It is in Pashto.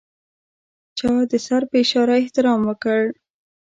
چا د سر په اشاره احترام وکړ.